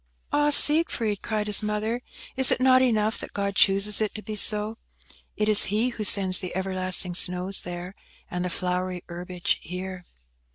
"Ah, Siegfried!" cried his mother, "is it not enough that God chooses it to be so? It is He who sends the everlasting snows there, and the flowery herbage here."